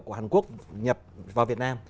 của hàn quốc nhập vào việt nam